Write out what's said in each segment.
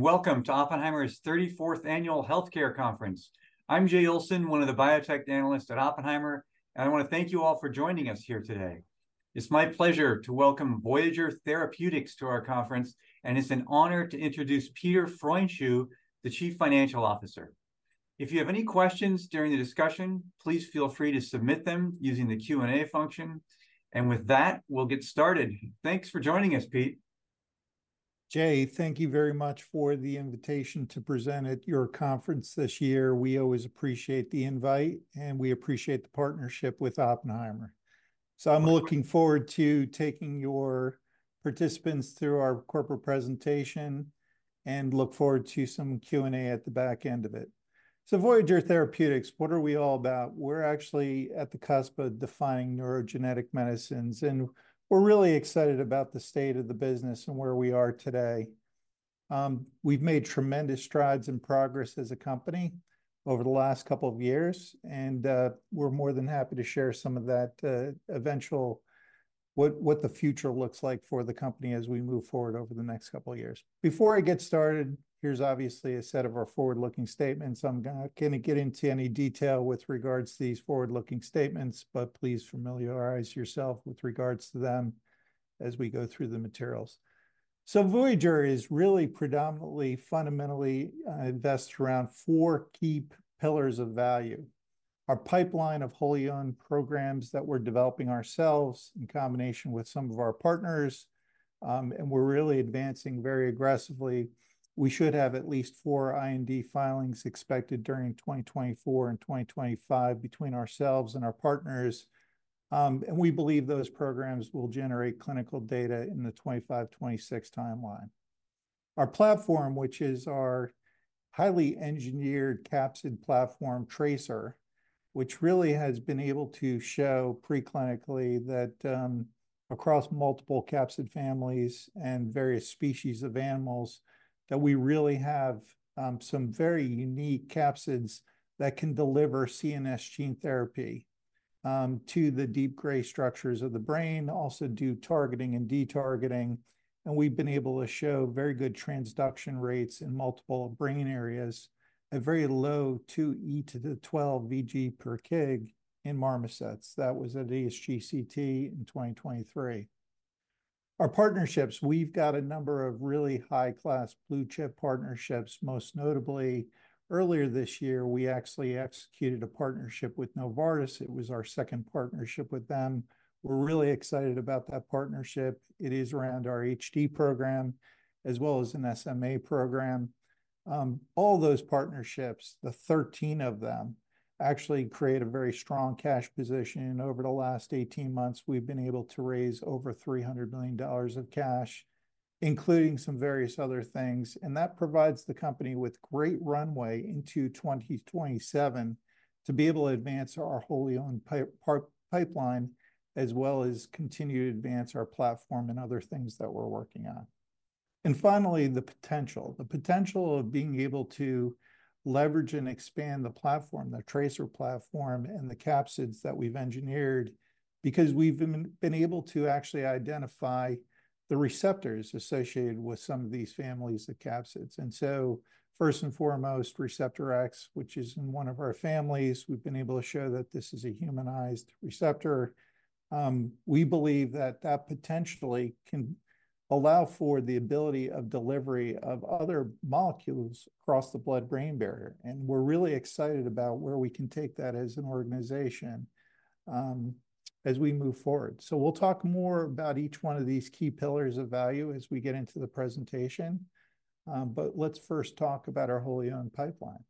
Welcome to Oppenheimer's 34th Annual Healthcare Conference. I'm Jay Olson, one of the biotech analysts at Oppenheimer, and I want to thank you all for joining us here today. It's my pleasure to welcome Voyager Therapeutics to our conference, and it's an honor to introduce Peter Pfreundschuh, the Chief Financial Officer. If you have any questions during the discussion, please feel free to submit them using the Q&A function. With that, we'll get started. Thanks for joining us, Pete. Jay, thank you very much for the invitation to present at your conference this year. We always appreciate the invite, and we appreciate the partnership with Oppenheimer. So I'm looking forward to taking your participants through our corporate presentation. And look forward to some Q&A at the back end of it. So Voyager Therapeutics, what are we all about? We're actually at the cusp of defining neurogenetic medicines, and we're really excited about the state of the business and where we are today. We've made tremendous strides in progress as a company over the last couple of years, and we're more than happy to share some of that with you all. What the future looks like for the company as we move forward over the next couple of years. Before I get started, here's obviously a set of our forward-looking statements. I'm not going to get into any detail with regards to these forward-looking statements, but please familiarize yourself with regards to them. As we go through the materials. So Voyager is really predominantly fundamentally invested around four key pillars of value. Our pipeline of wholly owned programs that we're developing ourselves in combination with some of our partners. And we're really advancing very aggressively. We should have at least four IND filings expected during 2024 and 2025 between ourselves and our partners. And we believe those programs will generate clinical data in the 2025-2026 timeline. Our platform, which is our highly engineered capsid platform TRACER. Which really has been able to show preclinically that across multiple capsid families and various species of animals. That we really have some very unique capsids that can deliver CNS gene therapy. To the deep gray structures of the brain, also do targeting and detargeting. And we've been able to show very good transduction rates in multiple brain areas. A very low 2 × 10^12 vg/kg in marmosets. That was at ESGCT in 2023. Our partnerships, we've got a number of really high-class blue chip partnerships, most notably. Earlier this year, we actually executed a partnership with Novartis. It was our second partnership with them. We're really excited about that partnership. It is around our HD program. As well as an SMA program. All those partnerships, the 13 of them. Actually create a very strong cash position over the last 18 months. We've been able to raise over $300 million of cash. Including some various other things, and that provides the company with great runway into 2027. To be able to advance our wholly owned pipeline. As well as continue to advance our platform and other things that we're working on. Finally, the potential, the potential of being able to leverage and expand the platform, the TRACER platform, and the capsids that we've engineered. Because we've been able to actually identify the receptors associated with some of these families of capsids. And so first and foremost, Receptor X, which is in one of our families, we've been able to show that this is a humanized receptor. We believe that that potentially can allow for the ability of delivery of other molecules across the blood-brain barrier, and we're really excited about where we can take that as an organization. As we move forward, so we'll talk more about each one of these key pillars of value as we get into the presentation. But let's first talk about our wholly owned pipeline.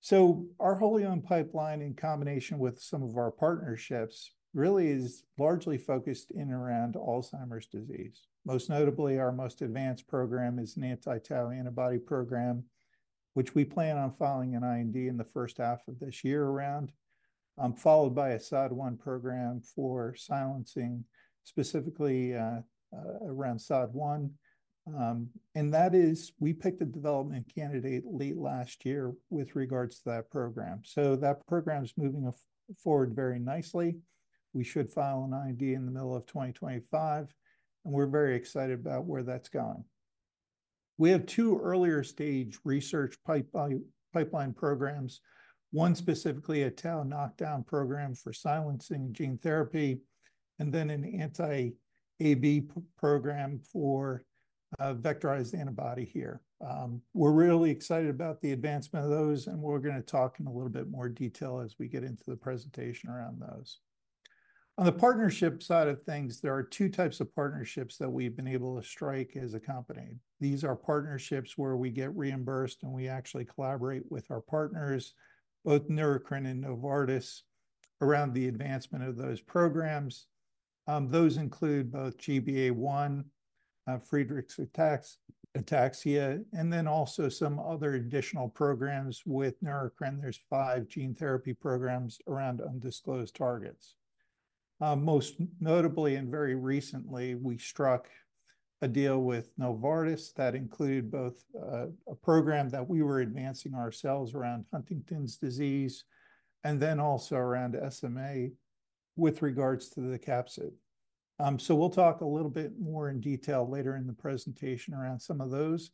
So our wholly owned pipeline in combination with some of our partnerships really is largely focused in and around Alzheimer's disease. Most notably, our most advanced program is an anti-tau antibody program, which we plan on filing an IND in the first half of this year around. Followed by a SOD1 program for silencing. Specifically around SOD1. And that is, we picked a development candidate late last year with regards to that program. So that program is moving forward very nicely. We should file an IND in the middle of 2025. And we're very excited about where that's going. We have two earlier stage research pipeline programs. One specifically a tau knockdown program for silencing gene therapy. And then an Anti-Ab program for vectorized antibody here. We're really excited about the advancement of those, and we're going to talk in a little bit more detail as we get into the presentation around those. On the partnership side of things, there are two types of partnerships that we've been able to strike as a company. These are partnerships where we get reimbursed and we actually collaborate with our partners, both Neurocrine and Novartis, around the advancement of those programs. Those include both GBA1, Friedreich's ataxia, and then also some other additional programs with Neurocrine. There's five gene therapy programs around undisclosed targets. Most notably, and very recently, we struck a deal with Novartis that included both a program that we were advancing ourselves around Huntington's disease, and then also around SMA with regards to the capsid. So we'll talk a little bit more in detail later in the presentation around some of those.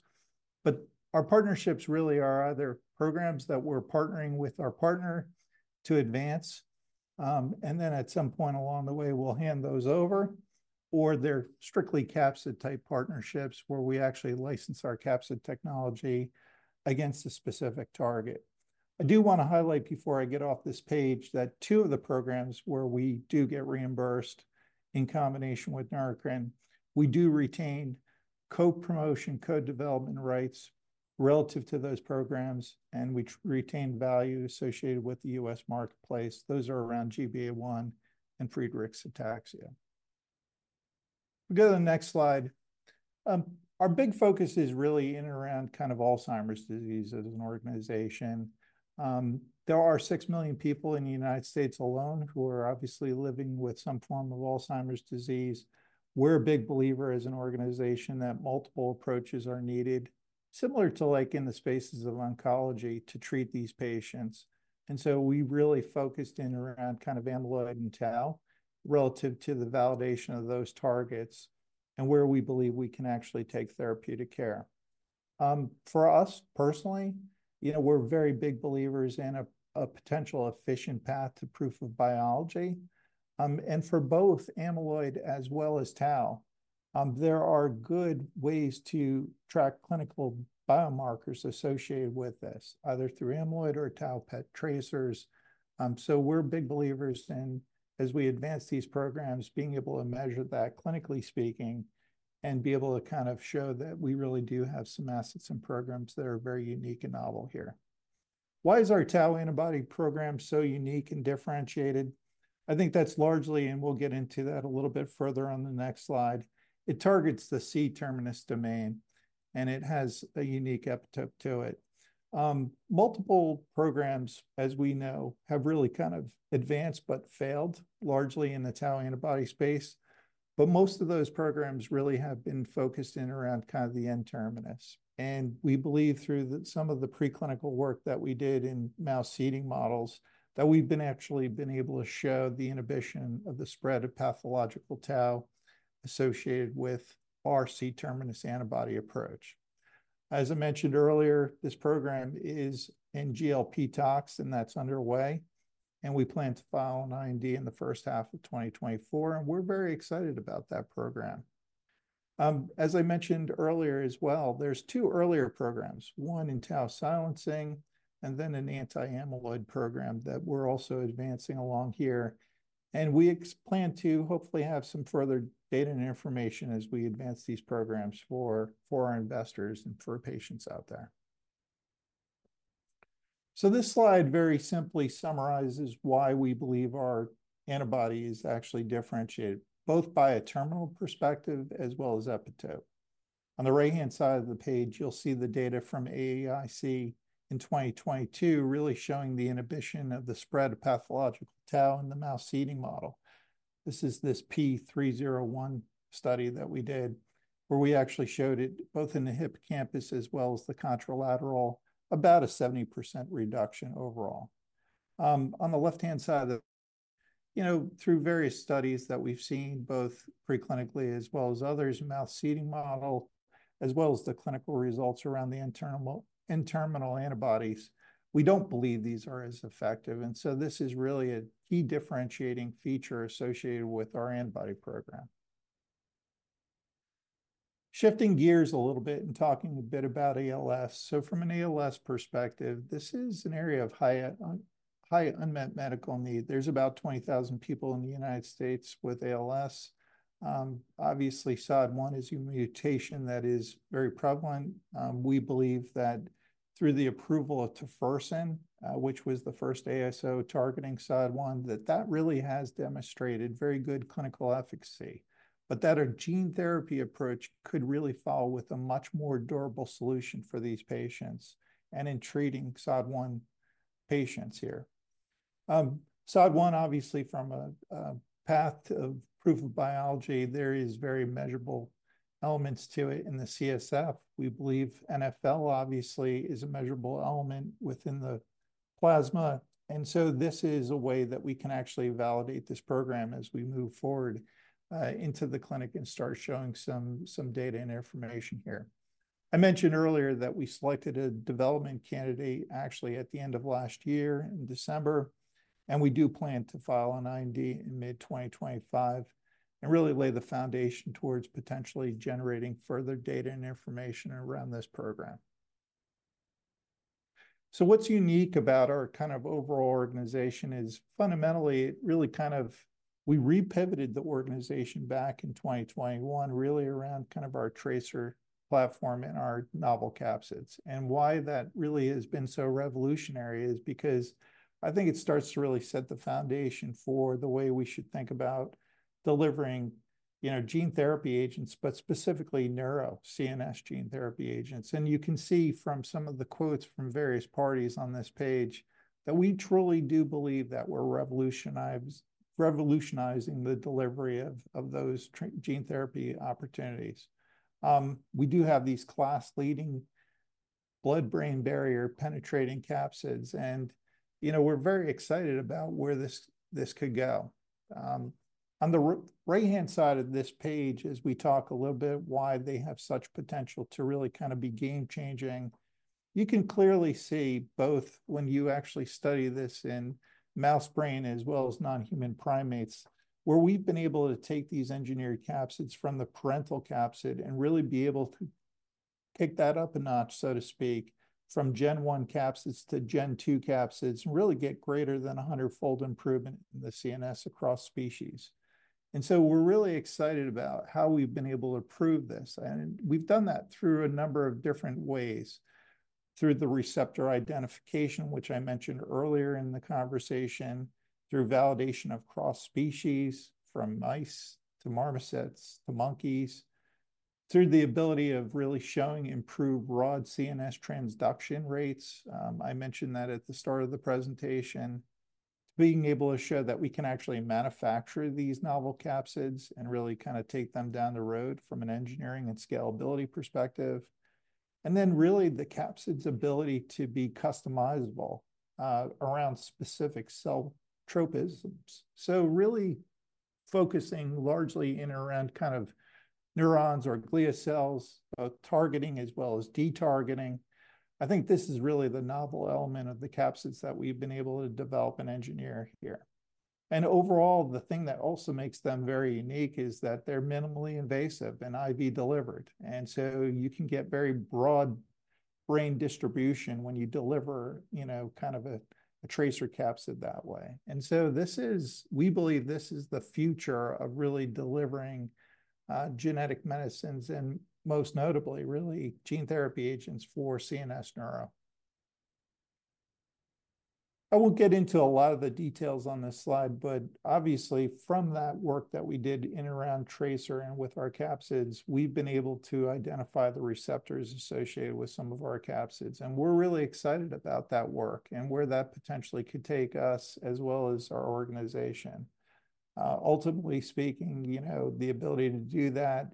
But our partnerships really are either programs that we're partnering with our partner to advance. And then at some point along the way, we'll hand those over. Or they're strictly capsid type partnerships where we actually license our capsid technology against a specific target. I do want to highlight before I get off this page that two of the programs where we do get reimbursed in combination with Neurocrine, we do retain co-promotion co-development rights relative to those programs, and we retain value associated with the U.S. marketplace. Those are around GBA1 and Friedreich's ataxia. Go to the next slide. Our big focus is really in and around kind of Alzheimer's disease as an organization. There are 6 million people in the United States alone who are obviously living with some form of Alzheimer's disease. We're a big believer as an organization that multiple approaches are needed. Similar to like in the spaces of oncology to treat these patients. So we really focused in around kind of amyloid and tau relative to the validation of those targets and where we believe we can actually take therapeutic care. For us personally, you know, we're very big believers in a potential efficient path to proof of biology for both amyloid as well as tau. There are good ways to track clinical biomarkers associated with this, either through amyloid or tau pet tracers. So we're big believers in, as we advance these programs, being able to measure that clinically speaking and be able to kind of show that we really do have some assets and programs that are very unique and novel here. Why is our tau antibody program so unique and differentiated? I think that's largely, and we'll get into that a little bit further on the next slide. It targets the C-terminus domain. It has a unique epitope to it. Multiple programs, as we know, have really kind of advanced but failed largely in the tau antibody space. But most of those programs really have been focused in around kind of the N-terminus. We believe through some of the preclinical work that we did in mouse seeding models that we've actually been able to show the inhibition of the spread of pathological tau associated with our C-terminus antibody approach. As I mentioned earlier, this program is in GLP tox and that's underway. We plan to file an IND in the first half of 2024, and we're very excited about that program. As I mentioned earlier as well, there's two earlier programs, one in tau silencing. Then an anti-amyloid program that we're also advancing along here. We plan to hopefully have some further data and information as we advance these programs for our investors and for patients out there. This slide very simply summarizes why we believe our antibody is actually differentiated both by a terminal perspective as well as epitope. On the right hand side of the page, you'll see the data from AAIC in 2022 really showing the inhibition of the spread of pathological tau in the mouse seeding model. This is this P301 study that we did. Where we actually showed it both in the hippocampus as well as the contralateral, about a 70% reduction overall. On the left hand side of the. You know, through various studies that we've seen both preclinically as well as others, mouse seeding model. As well as the clinical results around the internal antibodies. We don't believe these are as effective, and so this is really a key differentiating feature associated with our antibody program. Shifting gears a little bit and talking a bit about ALS. So from an ALS perspective, this is an area of high unmet medical need. There's about 20,000 people in the United States with ALS. Obviously, SOD1 is a mutation that is very prevalent. We believe that through the approval of tofersen, which was the first ASO targeting SOD1, that that really has demonstrated very good clinical efficacy. But that our gene therapy approach could really follow with a much more durable solution for these patients. And in treating SOD1 patients here. SOD1, obviously from a path of proof of biology, there is very measurable elements to it in the CSF. We believe NfL obviously is a measurable element within the plasma, and so this is a way that we can actually validate this program as we move forward into the clinic and start showing some data and information here. I mentioned earlier that we selected a development candidate actually at the end of last year in December. And we do plan to file an IND in mid-2025. And really lay the foundation towards potentially generating further data and information around this program. So what's unique about our kind of overall organization is fundamentally it really kind of. We repivoted the organization back in 2021 really around kind of our tracer platform in our novel capsids, and why that really has been so revolutionary is because I think it starts to really set the foundation for the way we should think about delivering. You know, gene therapy agents, but specifically neuro CNS gene therapy agents. And you can see from some of the quotes from various parties on this page that we truly do believe that we're revolutionizing the delivery of those gene therapy opportunities. We do have these class leading blood-brain barrier penetrating capsids, and you know, we're very excited about where this could go. On the right hand side of this page, as we talk a little bit why they have such potential to really kind of be game changing. You can clearly see both when you actually study this in mouse brain as well as non-human primates. Where we've been able to take these engineered capsids from the parental capsid and really be able to kick that up a notch, so to speak. From 1st-gen capsids to 2nd-gen capsids and really get greater than 100-fold improvement in the CNS across species. So we're really excited about how we've been able to prove this, and we've done that through a number of different ways. Through the receptor identification, which I mentioned earlier in the conversation. Through validation of cross species from mice to marmosets to monkeys. Through the ability of really showing improved broad CNS transduction rates. I mentioned that at the start of the presentation. To being able to show that we can actually manufacture these novel capsids and really kind of take them down the road from an engineering and scalability perspective. Then really the capsids' ability to be customizable around specific cell tropisms. So really focusing largely in around kind of neurons or glial cells, both targeting as well as detargeting. I think this is really the novel element of the capsids that we've been able to develop and engineer here. And overall, the thing that also makes them very unique is that they're minimally invasive and IV delivered, and so you can get very broad brain distribution when you deliver, you know, kind of a tracer capsid that way. And so this is, we believe this is the future of really delivering genetic medicines and most notably really gene therapy agents for CNS neuro. I won't get into a lot of the details on this slide, but obviously from that work that we did in and around TRACER and with our capsids, we've been able to identify the receptors associated with some of our capsids, and we're really excited about that work and where that potentially could take us as well as our organization. Ultimately speaking, you know, the ability to do that.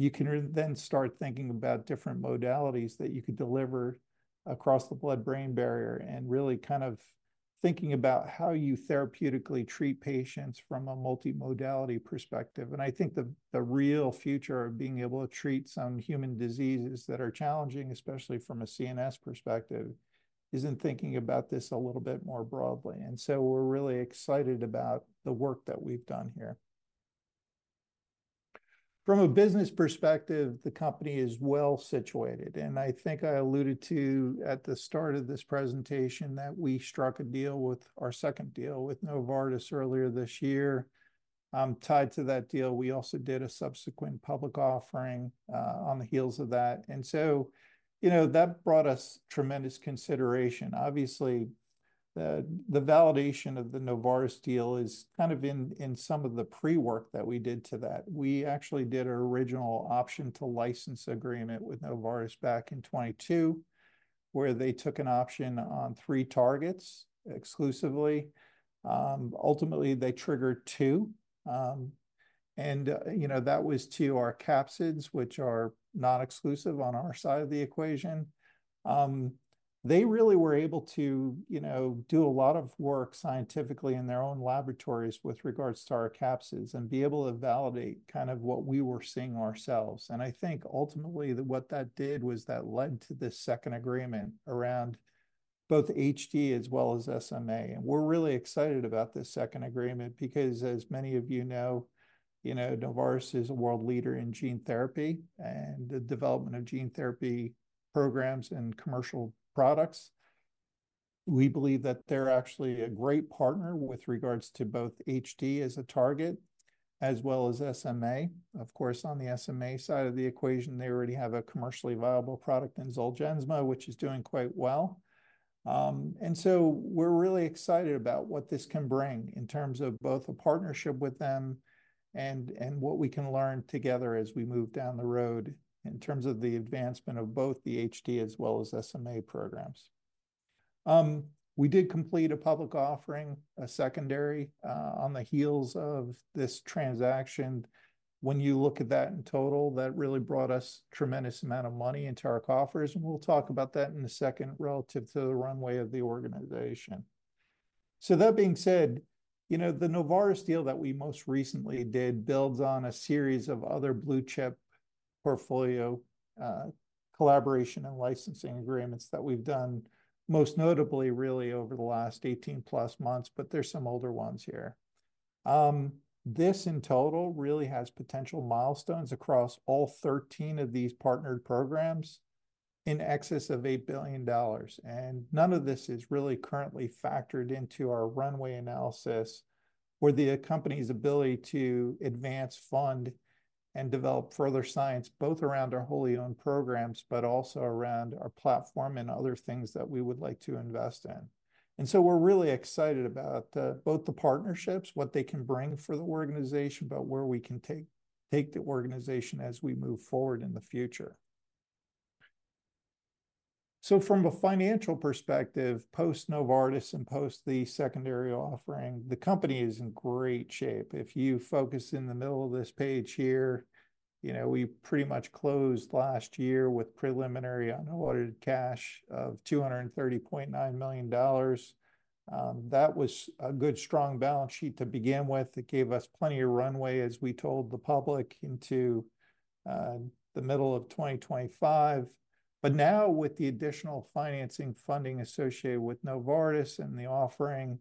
You can then start thinking about different modalities that you could deliver across the blood-brain barrier and really kind of thinking about how you therapeutically treat patients from a multimodality perspective. And I think the real future of being able to treat some human diseases that are challenging, especially from a CNS perspective, is in thinking about this a little bit more broadly. And so we're really excited about the work that we've done here. From a business perspective, the company is well situated, and I think I alluded to at the start of this presentation that we struck a deal with our second deal with Novartis earlier this year. Tied to that deal, we also did a subsequent public offering on the heels of that. And so, you know, that brought us tremendous consideration. Obviously, the validation of the Novartis deal is kind of in some of the pre-work that we did to that. We actually did our original option to license agreement with Novartis back in 2022. Where they took an option on three targets exclusively. Ultimately, they triggered two. And you know, that was to our capsids, which are not exclusive on our side of the equation. They really were able to, you know, do a lot of work scientifically in their own laboratories with regards to our capsids and be able to validate kind of what we were seeing ourselves. And I think ultimately that what that did was that led to this second agreement around both HD as well as SMA, and we're really excited about this second agreement because as many of you know, you know, Novartis is a world leader in gene therapy and the development of gene therapy programs and commercial products. We believe that they're actually a great partner with regards to both HD as a target. As well as SMA, of course, on the SMA side of the equation, they already have a commercially viable product in Zolgensma, which is doing quite well. And so we're really excited about what this can bring in terms of both a partnership with them and what we can learn together as we move down the road in terms of the advancement of both the HD as well as SMA programs. We did complete a public offering, a secondary on the heels of this transaction. When you look at that in total, that really brought us a tremendous amount of money into our coffers, and we'll talk about that in a second relative to the runway of the organization. So that being said, you know, the Novartis deal that we most recently did builds on a series of other blue chip portfolio collaboration and licensing agreements that we've done. Most notably really over the last 18+ months, but there's some older ones here. This in total really has potential milestones across all 13 of these partnered programs. In excess of $8 billion, and none of this is really currently factored into our runway analysis. Where the company's ability to advance fund and develop further science both around our wholly owned programs, but also around our platform and other things that we would like to invest in. And so we're really excited about both the partnerships, what they can bring for the organization, but where we can take take the organization as we move forward in the future. So from a financial perspective, post Novartis and post the secondary offering, the company is in great shape. If you focus in the middle of this page here, you know, we pretty much closed last year with preliminary unaudited cash of $230.9 million. That was a good strong balance sheet to begin with. It gave us plenty of runway as we told the public into the middle of 2025. But now with the additional financing funding associated with Novartis and the offering,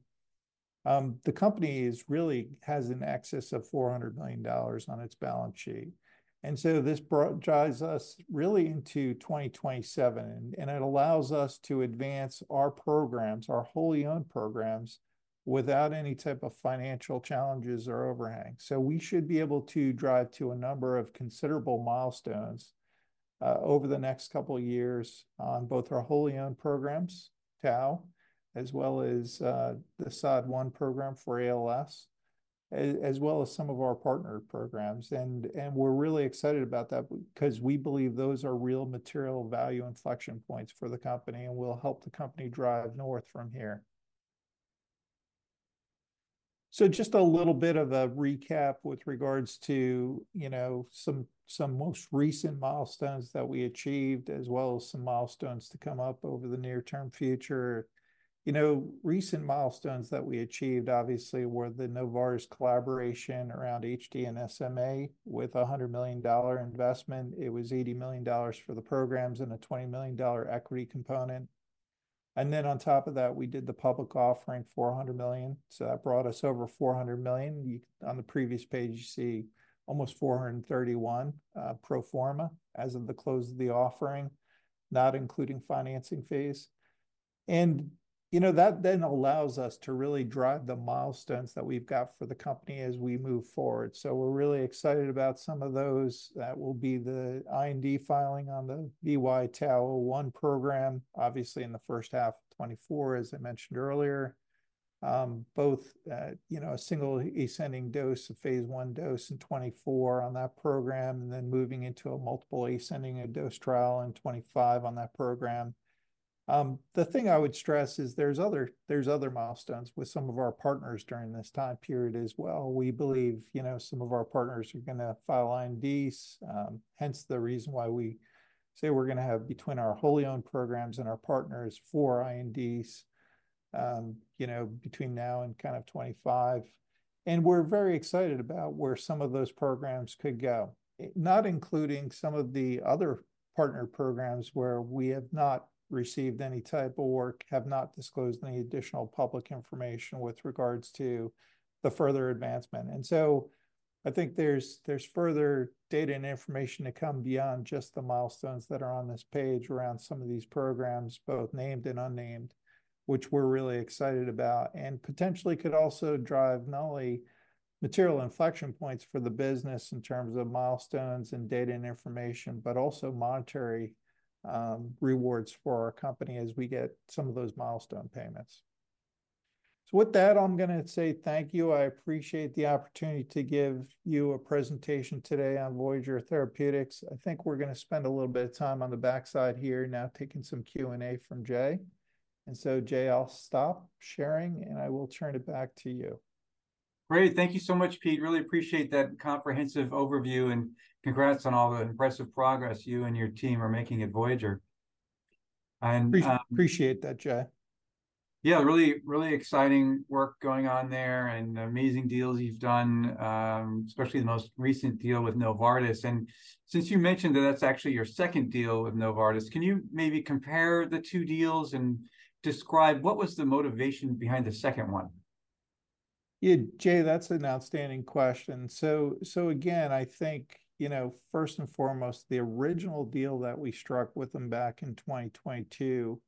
the company really has an excess of $400 million on its balance sheet. So this drives us really into 2027, and it allows us to advance our programs, our wholly owned programs, without any type of financial challenges or overhang. We should be able to drive to a number of considerable milestones over the next couple of years on both our wholly owned programs, tau, as well as the SOD1 program for ALS, as well as some of our partnered programs. We're really excited about that because we believe those are real material value inflection points for the company and will help the company drive north from here. So just a little bit of a recap with regards to, you know, some most recent milestones that we achieved as well as some milestones to come up over the near-term future. You know, recent milestones that we achieved obviously were the Novartis collaboration around HD and SMA with a $100 million investment. It was $80 million for the programs and a $20 million equity component. And then on top of that, we did the public offering $400 million. So that brought us over $400 million. You on the previous page you see almost $431 million pro forma as of the close of the offering, not including financing fees. And you know that then allows us to really drive the milestones that we've got for the company as we move forward. We're really excited about some of those that will be the IND filing on the VY-TAU01 program, obviously in the first half of 2024, as I mentioned earlier. Both, you know, a single ascending dose of phase I dose in 2024 on that program and then moving into a multiple ascending dose trial in 2025 on that program. The thing I would stress is there's other milestones with some of our partners during this time period as well. We believe, you know, some of our partners are gonna file INDs, hence the reason why we say we're gonna have between our wholly owned programs and our partners four INDs, you know, between now and kind of 2025. And we're very excited about where some of those programs could go, not including some of the other partner programs where we have not received any type of work, have not disclosed any additional public information with regards to the further advancement. And so I think there's further data and information to come beyond just the milestones that are on this page around some of these programs, both named and unnamed, which we're really excited about and potentially could also drive not only material inflection points for the business in terms of milestones and data and information, but also monetary rewards for our company as we get some of those milestone payments. So with that, I'm gonna say thank you. I appreciate the opportunity to give you a presentation today on Voyager Therapeutics. I think we're gonna spend a little bit of time on the backside here now taking some Q&A from Jay. So Jay, I'll stop sharing and I will turn it back to you. Great. Thank you so much, Pete. Really appreciate that comprehensive overview and congrats on all the impressive progress you and your team are making at Voyager. And appreciate that, Jay. Yeah, really, really exciting work going on there and amazing deals you've done, especially the most recent deal with Novartis. And since you mentioned that that's actually your second deal with Novartis, can you maybe compare the two deals and describe what was the motivation behind the second one? Yeah, Jay, that's an outstanding question. So, so again, I think, you know, first and foremost, the original deal that we struck with them back in 2022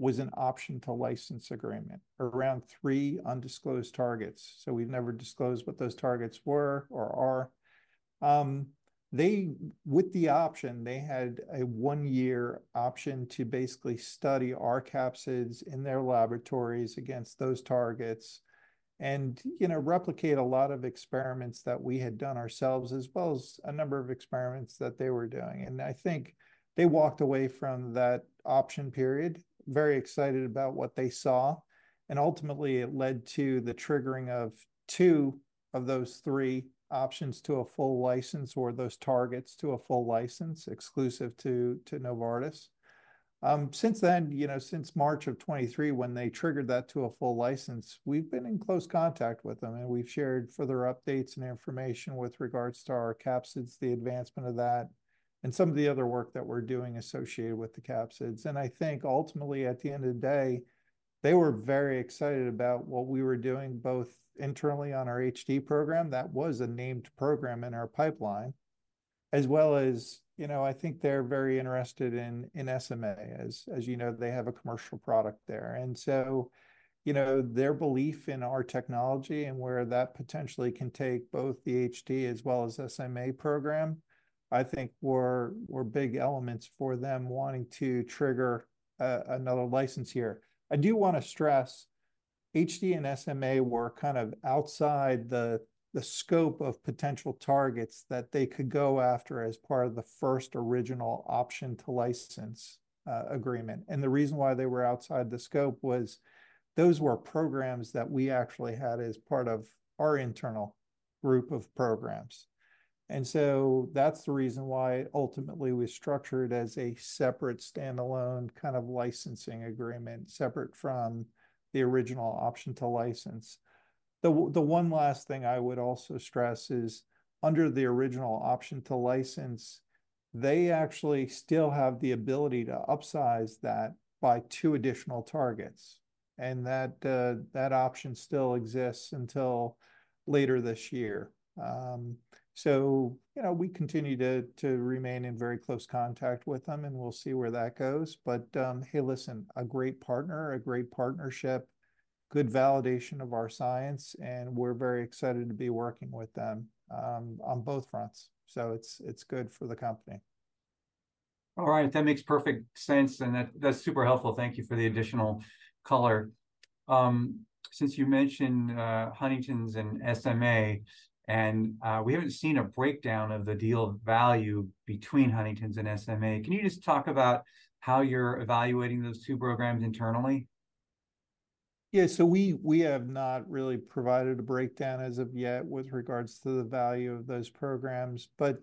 was an option to license agreement around three undisclosed targets. So we've never disclosed what those targets were or are. They, with the option, they had a one-year option to basically study our capsids in their laboratories against those targets. And, you know, replicate a lot of experiments that we had done ourselves as well as a number of experiments that they were doing. And I think they walked away from that option period, very excited about what they saw. And ultimately it led to the triggering of two of those three options to a full license or those targets to a full license exclusive to to Novartis. Since then, you know, since March of 2023 when they triggered that to a full license, we've been in close contact with them and we've shared further updates and information with regards to our capsids, the advancement of that. And some of the other work that we're doing associated with the capsids. I think ultimately at the end of the day, they were very excited about what we were doing both internally on our HD program that was a named program in our pipeline. As well as, you know, I think they're very interested in SMA as you know, they have a commercial product there. So, you know, their belief in our technology and where that potentially can take both the HD as well as SMA program. I think were big elements for them wanting to trigger another license here. I do want to stress HD and SMA were kind of outside the scope of potential targets that they could go after as part of the first original option to license agreement. The reason why they were outside the scope was those were programs that we actually had as part of our internal group of programs. So that's the reason why ultimately we structured as a separate standalone kind of licensing agreement separate from the original option to license. The one last thing I would also stress is under the original option to license. They actually still have the ability to upsize that by two additional targets. And that option still exists until later this year. So, you know, we continue to remain in very close contact with them and we'll see where that goes. But, hey, listen, a great partner, a great partnership. Good validation of our science and we're very excited to be working with them on both fronts. So it's good for the company. Alright, that makes perfect sense and that's super helpful. Thank you for the additional color. Since you mentioned Huntington's and SMA and we haven't seen a breakdown of the deal value between Huntington's and SMA. Can you just talk about how you're evaluating those two programs internally? Yeah, so we have not really provided a breakdown as of yet with regards to the value of those programs, but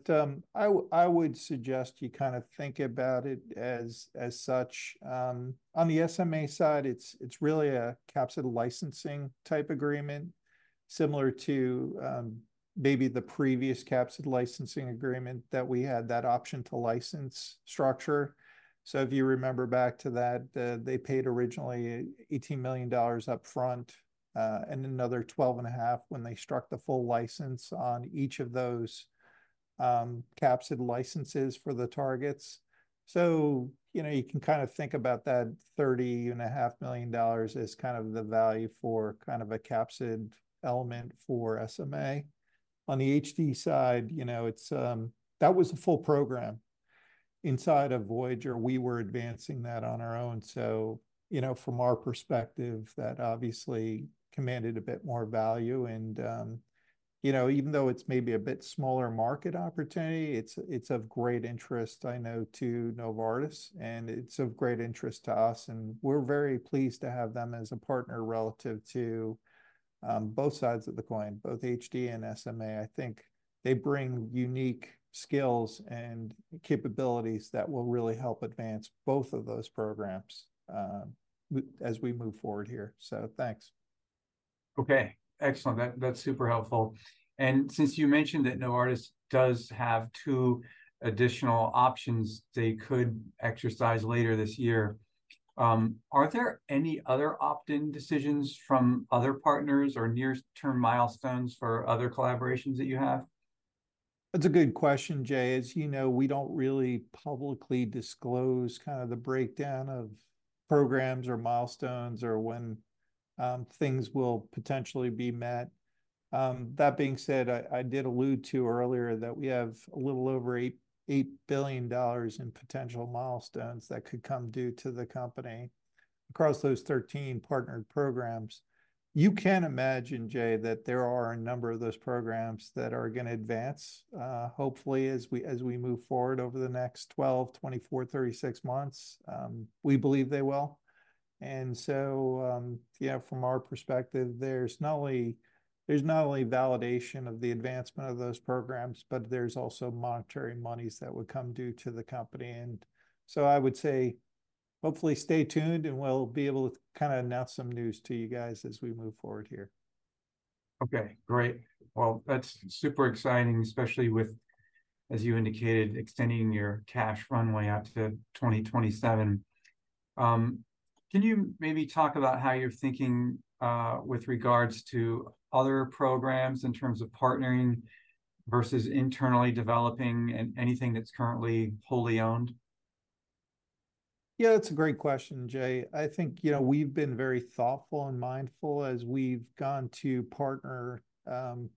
I would suggest you kind of think about it as such. On the SMA side, it's really a capsid licensing type agreement. Similar to maybe the previous capsid licensing agreement that we had that option to license structure. So if you remember back to that, they paid originally $18 million upfront and another $12.5 million when they struck the full license on each of those capsid licenses for the targets. So, you know, you can kind of think about that $30.5 million as kind of the value for kind of a capsid element for SMA. On the HD side, you know, it's that was a full program. Inside of Voyager, we were advancing that on our own. So, you know, from our perspective, that obviously commanded a bit more value and, you know, even though it's maybe a bit smaller market opportunity, it's of great interest, I know, to Novartis and it's of great interest to us and we're very pleased to have them as a partner relative to both sides of the coin, both HD and SMA. I think they bring unique skills and capabilities that will really help advance both of those programs as we move forward here. So thanks. Okay, excellent. That's super helpful. And since you mentioned that Novartis does have two additional options they could exercise later this year. Are there any other opt-in decisions from other partners or near-term milestones for other collaborations that you have? That's a good question, Jay. As you know, we don't really publicly disclose kind of the breakdown of programs or milestones or when things will potentially be met. That being said, I did allude to earlier that we have a little over $8 billion in potential milestones that could come due to the company across those 13 partnered programs. You can imagine, Jay, that there are a number of those programs that are gonna advance hopefully as we move forward over the next 12, 24, 36 months. We believe they will. And so, yeah, from our perspective, there's not only validation of the advancement of those programs, but there's also monetary monies that would come due to the company. And so I would say hopefully stay tuned and we'll be able to kind of announce some news to you guys as we move forward here. Okay, great. Well, that's super exciting, especially with, as you indicated, extending your cash runway out to 2027. Can you maybe talk about how you're thinking with regards to other programs in terms of partnering versus internally developing and anything that's currently wholly owned? Yeah, that's a great question, Jay. I think, you know, we've been very thoughtful and mindful as we've gone to partner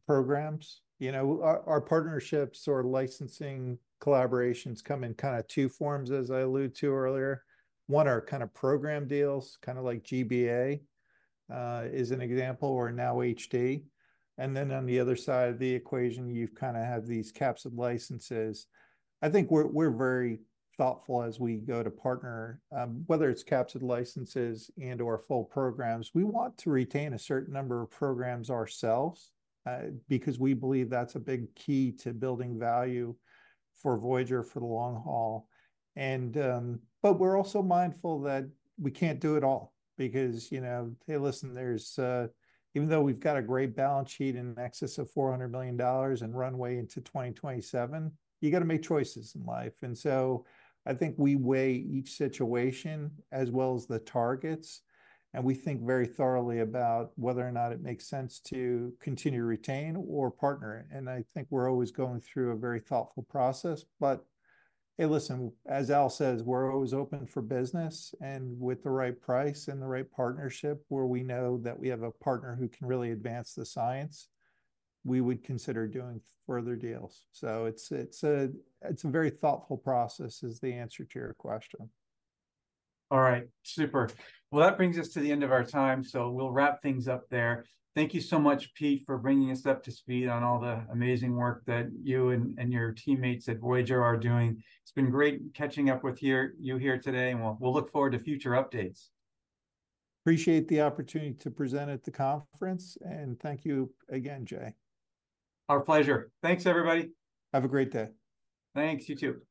programs. You know, our partnerships or licensing collaborations come in kind of two forms as I alluded to earlier. One area kind of program deals, kind of like GBA is an example or now HD. And then on the other side of the equation, you've kind of had these capsid licenses. I think we're very thoughtful as we go to partner, whether it's capsid licenses and/or full programs. We want to retain a certain number of programs ourselves because we believe that's a big key to building value for Voyager for the long haul. And but we're also mindful that we can't do it all because, you know, hey, listen, there's even though we've got a great balance sheet in excess of $400 million and runway into 2027, you gotta make choices in life. And so I think we weigh each situation as well as the targets. And we think very thoroughly about whether or not it makes sense to continue to retain or partner. I think we're always going through a very thoughtful process. Hey, listen, as Al says, we're always open for business and with the right price and the right partnership where we know that we have a partner who can really advance the science. We would consider doing further deals. So it's a very thoughtful process is the answer to your question. Alright, super. Well, that brings us to the end of our time. So we'll wrap things up there. Thank you so much, Pete, for bringing us up to speed on all the amazing work that you and your teammates at Voyager are doing. It's been great catching up with you here today and we'll look forward to future updates. Appreciate the opportunity to present at the conference and thank you again, Jay. Our pleasure. Thanks, everybody. Have a great day. Thanks. You too.